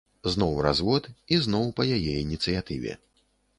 Зноў развод, і зноў па яе ініцыятыве.